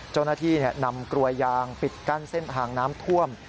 เจ้าหน้าที่นำกลวยยางปิดกั้นเส้นทางน้ำท่วม